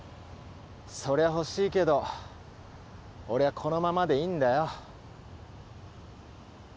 そりゃ欲しいけど俺はこのままでいいんだよ。